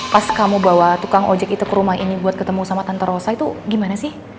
pas kamu bawa tukang ojek itu ke rumah ini buat ketemu sama tantorosa itu gimana sih